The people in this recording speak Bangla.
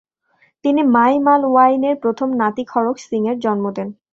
তিনি মাঈ মালওয়াইনের প্রথম নাতি খড়ক সিংয়ের জন্ম দেন।